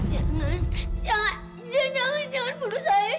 jangan jangan jangan jangan jangan bunuh saya